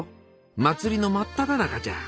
祭りの真っただ中じゃ！